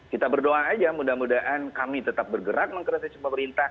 kita berdoa aja mudah mudahan kami tetap bergerak mengkritisi pemerintah